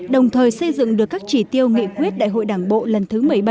đồng thời xây dựng được các chỉ tiêu nghị quyết đại hội đảng bộ lần thứ một mươi bảy